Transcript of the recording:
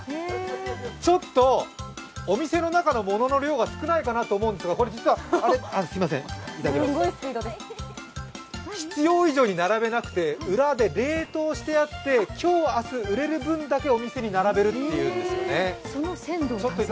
ちょっとお店の中のものの量が少ないかなと思うんですけど必要以上に並べなくて、裏で冷凍してあって、今日、明日、売れる分だけお店に並べるっていうんですね。